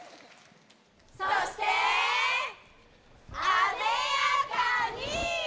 そして、あでやかに！